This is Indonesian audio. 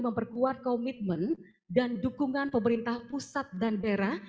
memperkuat komitmen dan dukungan pemerintah pusat dan daerah